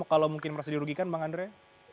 kalau mungkin merasa dirugikan bang andre